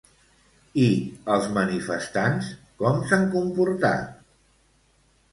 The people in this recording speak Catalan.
I els manifestants, com s'han comportat?